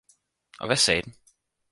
Og hvad sagde den?